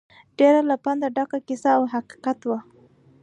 ډېره له پنده ډکه کیسه او حقیقت وه.